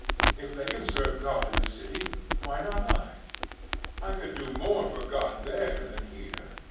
If they can serve God in the city, why not I? I could do more for God there than here